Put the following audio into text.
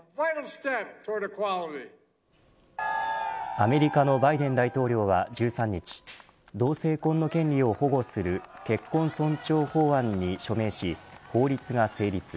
アメリカのバイデン大統領は１３日同性婚の権利を保護する結婚尊重法案に署名し法律が成立。